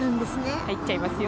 入っちゃいますよ。